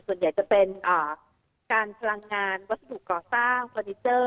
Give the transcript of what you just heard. ส่วนใหญ่จะเป็นการพลังงานวัสดุก่อสร้างเฟอร์นิเจอร์